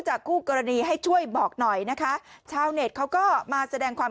คู่กรณีให้ช่วยบอกหน่อยนะคะชาวเน็ตเขาก็มาแสดงความ